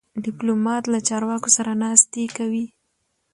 ډيپلومات له چارواکو سره ناستې کوي.